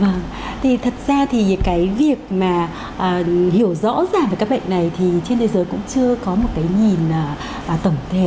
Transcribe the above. thì thật ra thì cái việc mà hiểu rõ ràng về các bệnh này thì trên thế giới cũng chưa có một cái nhìn tổng thể